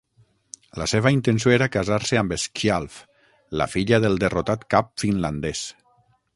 La seva intenció era casar-se amb "Skjalf", la filla del derrotat cap finlandès.